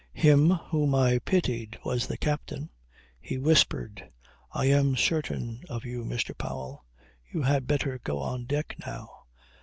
Him whom I pitied was the captain. He whispered. "I am certain of you, Mr. Powell. You had better go on deck now.